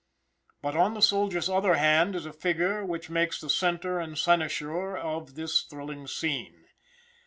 But on the soldier's other hand is a figure which makes the center and cynosure of this thrilling scene.